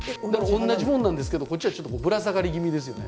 同じものなんですけどこっちはちょっとぶら下がり気味ですよね。